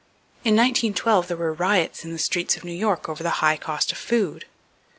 In 1912 there were riots in the streets of New York over the high cost of food.